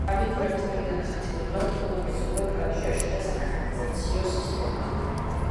დაბინძურების თავიდან ასაცილებლად, ყველა მეზობელ ქალაქში აშენდა საკანალიზაციო სისტემა.